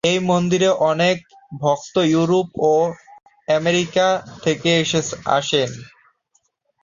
এই মন্দিরে অনেক ভক্ত ইউরোপ ও আমেরিকা থেকে আসেন।